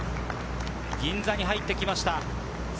銀座に入ってきました。